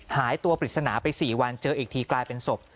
หายตัวปริศนาไป๔วันเจออีกทีกลายเป็นศพ